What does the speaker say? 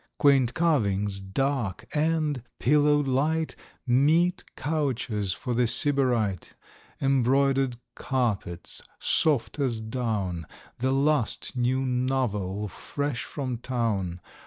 Quaint carvings dark, and, pillow'd light, Meet couches for the Sybarite; Embroider'd carpets, soft as down, The last new novel fresh from town.